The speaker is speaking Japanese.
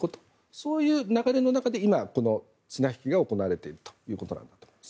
そういう流れの中で今、綱引きが行われているということだと思います。